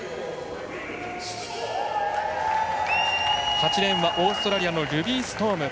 ８レーンはオーストラリアのルビー・ストーム。